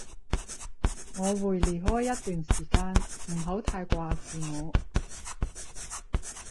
我會離開一段時間，唔好太掛住我